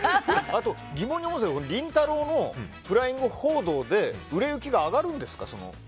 あと疑問なんですけどりんたろー。のフライング報道で売れ行きが上がるんですか？